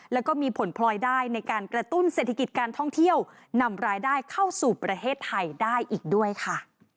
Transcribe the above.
แล้วก็มีผลพลอยได้ในการกระตุ้นเศรษฐกิจการท่องเที่ยวนำรายได้เข้าสู่ประเทศไทยได้อีกด้วยค่ะ